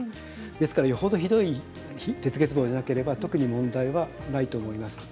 ですからよっぽどひどい鉄欠乏でなければ特に問題はないと思います。